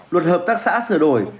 luật hợp tác xã sửa đổi